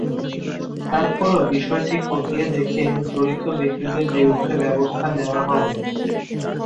তার পরও বিষয়টি খতিয়ে দেখে জড়িত ব্যক্তিদের বিরুদ্ধে ব্যবস্থা নেওয়া হবে।